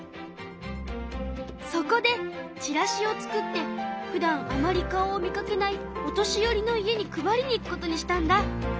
そこでチラシを作ってふだんあまり顔を見かけないお年寄りの家に配りに行くことにしたんだ。